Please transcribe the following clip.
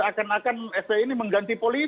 bagaimana seakan akan fpi ini mengganti polisi